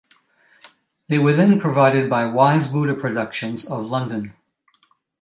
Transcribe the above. They were then provided by Wise Buddah Productions of London.